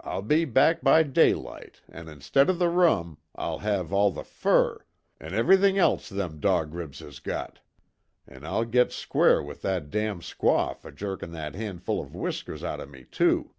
I'll be back by daylight, an' instead of the rum, I'll have all the fur an' everything else them Dog Ribs has got. An' I'll git square with that damn squaw fer jerkin' that handful of whiskers out of me, too."